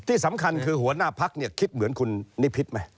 ที่สำคัญคือหัวหน้าพักเนี่ยคิดเหมือนคุณนิพิษไหม